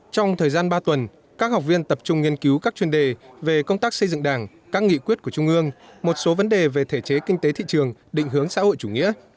trong thời gian ba tuần các học viên tập trung nghiên cứu các chuyên đề về công tác xây dựng đảng các nghị quyết của trung ương một số vấn đề về thể chế kinh tế thị trường định hướng xã hội chủ nghĩa